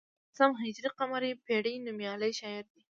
هغه د دولسم هجري قمري پیړۍ نومیالی شاعر دی.